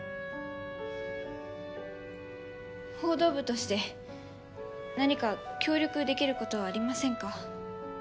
報道部として何か協力できる事はありませんか？